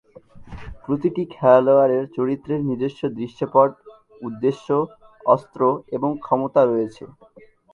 প্রতিটি খেলোয়াড়ের চরিত্রের নিজস্ব দৃশ্যপট, উদ্দেশ্য, অস্ত্র এবং ক্ষমতা রয়েছে।